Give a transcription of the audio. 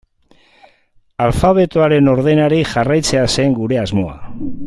Alfabetoaren ordenari jarraitzea zen gure asmoa.